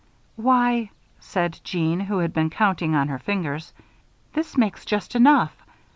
"Why!" said Jeanne, who had been counting on her fingers, "this makes just enough.